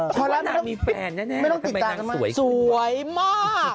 ช่วงนางมีแฟนนะเนี่ยทำไมนางสวยมาก